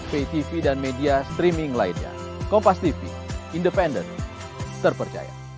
vtv dan media streaming lainnya kompas tv independent terpercaya